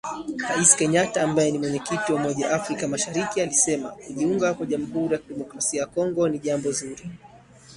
Rais Kenyatta ambaye ni Mwenyekiti wa umoja wa afrika mashariki alisema kujiunga kwa Jamuhuri ya Demokrasia ya Kongo ni jambo zuri